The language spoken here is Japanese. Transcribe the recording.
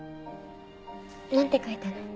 何て書いたの？